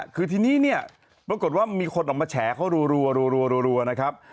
คือทีนี้เนี่ยปรากฏว่ามีคนออกมาแฉเขารัวนะครับ